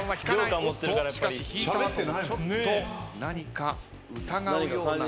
おっとしかし引いた後ちょっと何か疑うようなそんな目。